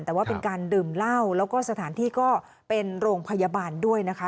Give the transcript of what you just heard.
แต่ว่าเป็นการดื่มเหล้าแล้วก็สถานที่ก็เป็นโรงพยาบาลด้วยนะคะ